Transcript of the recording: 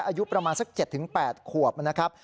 อายุประมาณสัก๗๘ขวบนะครับ